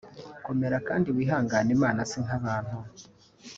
Komera kandi wihangane Imana si nk’abantu